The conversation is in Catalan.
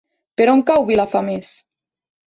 Per on cau Vilafamés?